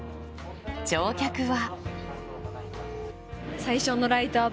乗客は。